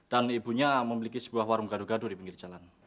dan ibunya memiliki sebuah warung gaduh gaduh di pinggir jalan